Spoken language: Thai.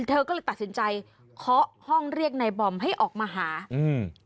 เธอก็เลยตัดสินใจเคาะห้องเรียกนายบอมให้ออกมาหาอืม